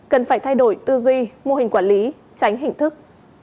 cần phải thay đổi tư duy mô hình quản lý tránh hình thức